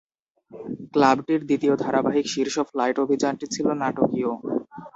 ক্লাবটির দ্বিতীয় ধারাবাহিক শীর্ষ ফ্লাইট অভিযানটি ছিল নাটকীয়।